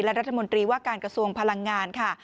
และรัฐมนตรีว่าการกระทรวงพลังงานค่ะ